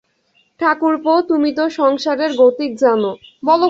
ঠাকুরপো, তুমি তো সংসারের গতিক জান।